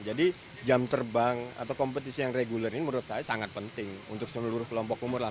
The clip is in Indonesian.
jadi jam terbang atau kompetisi yang reguler ini menurut saya sangat penting untuk seluruh kelompok umur lah